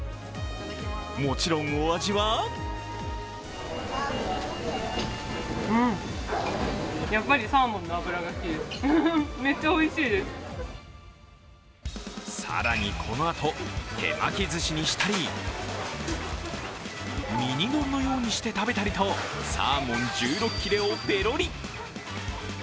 もちろんお味は更にこのあと、手巻きずしにしたり、ミニ丼のようにして食べたりとサーモン１６切れをペロリ。